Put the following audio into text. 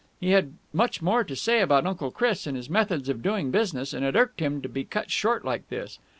He had much more to say about Uncle Chris and his methods of doing business, and it irked him to be cut short like this.